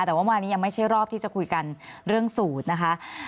แต่ว่าวันนี้ยังไม่ใช่รอบที่จะคุยกันเรื่องสูตรนะคะ